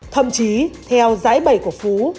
thậm chí theo giải bày của phú